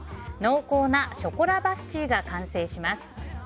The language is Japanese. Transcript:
濃厚なショコラバスチーが完成します。